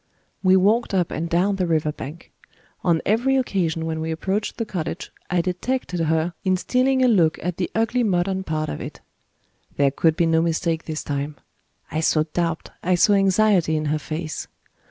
We walked up and down the river bank. On every occasion when we approached the cottage, I detected her in stealing a look at the ugly modern part of it. There could be no mistake this time; I saw doubt, I saw anxiety in her face.